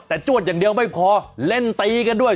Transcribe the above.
แต่จวดอย่างเดียวไม่พอเล่นตีกันด้วย